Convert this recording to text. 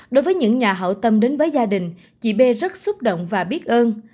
đối với những nhà hảo tâm đến với gia đình chị b rất xúc động và biết ơn